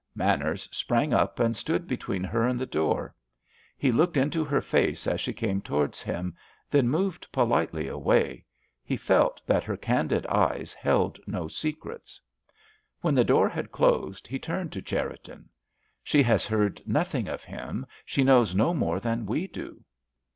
Manners sprang up and stood between her and the door. He looked into her face as she came towards him, then moved politely away. He felt that her candid eyes held no secrets. When the door had closed he turned to Cherriton. "She has heard nothing of him; she knows no more than we do."